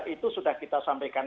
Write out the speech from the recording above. itu sudah kita sampaikan